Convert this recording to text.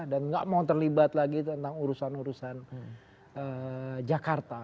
dan nggak mau terlibat lagi tentang urusan urusan jakarta